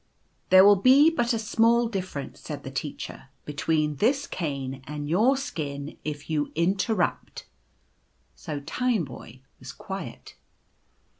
" There will be but a small difference," said the Teacher, " between this cane and your skin if you interrupt/' So Tineboy was quiet.